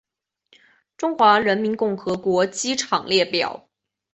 中华人民共和国机场列表